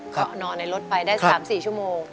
เขานอนในรถล่อยได้๓๔ชั่วโมง